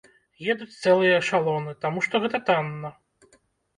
Едуць цэлыя эшалоны, таму што гэта танна.